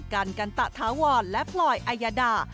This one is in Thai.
กันกันตะทะวอนและปล่อยอัยยดา